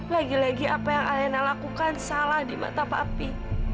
lagi lagi apa yang alena lakukan salah di mata papi